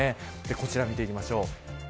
こちら見ていきましょう。